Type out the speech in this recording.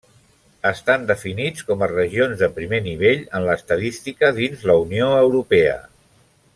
Estan definits com a regions de primer nivell en l’estadística dins la Unió Europea.